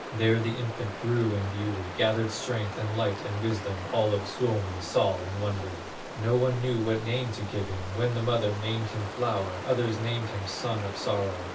There the infant grew in beauty, Gathered strength, and light, and wisdom, All of Suomi saw and wondered. No one knew what name to give him; When the mother named him, Flower, Others named him, Son of Sorrow.